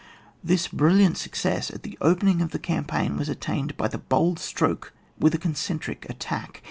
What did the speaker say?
This brilliant success at the opening of the campaign was attained by the bold stroke with a concentric attack.